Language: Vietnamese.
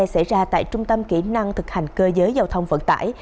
xảy ra tại trung tâm kỹ năng thực hành cơ giới giao thông vận tải